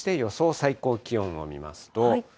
最高気温を見ますと。